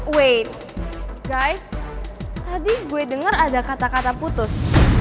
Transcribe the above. weight guys tadi gue denger ada kata kata putus